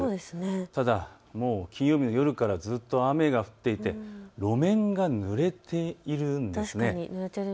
ただ、金曜日の夜からずっと雨が降っていて路面がぬれているんですね。